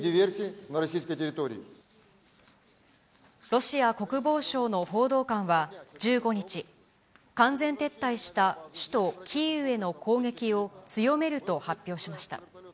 ロシア国防省の報道官は１５日、完全撤退した首都キーウへの攻撃を強めると発表しました。